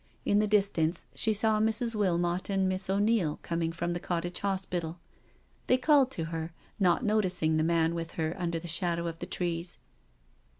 In the distance she saw Mrs. Wilmot and Miss O'Neil coming from the Cottage Hospital. They called to her, not noticing the man with her under the shadow of the trees.